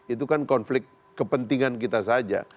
itu kan konflik kepentingan kita saja